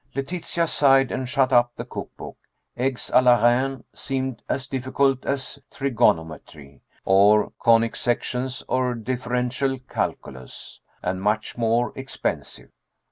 Letitia sighed, and shut up the cook book. Eggs à la reine seemed as difficult as trigonometry, or conic sections, or differential calculus and much more expensive.